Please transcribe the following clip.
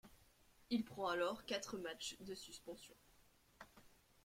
Il prend alors quatre matchs de suspension.